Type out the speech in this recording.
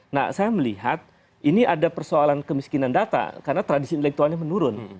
nah saya melihat ini ada persoalan kemiskinan data karena tradisi intelektualnya menurun